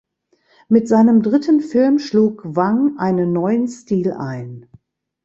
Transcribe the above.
Mit seinem dritten Film schlug Hwang einen neuen Stil ein.